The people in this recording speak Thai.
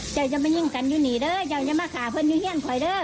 เจ้าจะไม่ยิ้มกันอยู่นี่เด้อเจ้าจะมาขาเพื่อนอยู่เฮี่ยนคอยเด้อ